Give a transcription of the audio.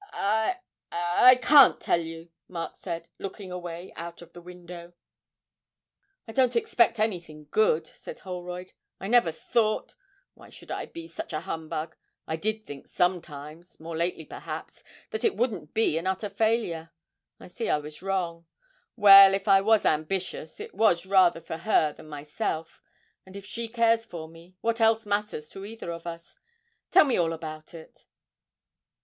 'I I can't tell you,' Mark said, looking away out of the window. 'I don't expect anything good,' said Holroyd; 'I never thought why should I be such a humbug! I did think sometimes more lately perhaps that it wouldn't be an utter failure. I see I was wrong. Well, if I was ambitious, it was rather for her than myself; and if she cares for me, what else matters to either of us? Tell me all about it.'